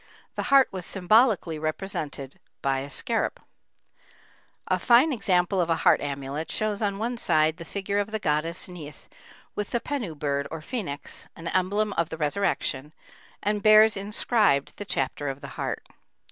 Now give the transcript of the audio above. The heart was symbolically represented by the scarab. A fine example of a heart amulet shows on one side the figure of the goddess Neith with the pennu bird or phœnix, an emblem of the resurrection, and bears inscribed the chapter of the heart.